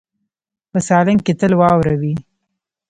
په سالنګ کې تل واوره وي.